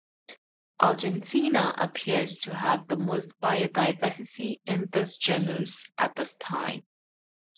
Argentina appears to have the most biodiversity in this genus at this time.